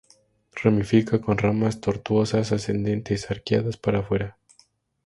Ramifica con ramas tortuosas ascendentes, arqueadas para afuera.